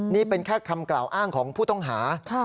นี่เป็นแค่คำกล่าวอ้างของผู้ต้องหา